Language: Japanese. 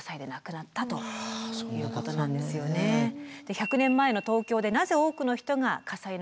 １００年前の東京でなぜ多くの人が火災の犠牲になったのか